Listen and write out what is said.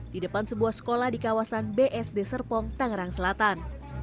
di depan sebuah sekolah di kawasan bsd serpong tangerang selatan